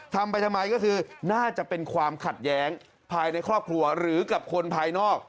ทำไปทำไมก็คือน่าจะเป็นความขัดแย้งภายในครอบครัวหรือกับคนภายนอก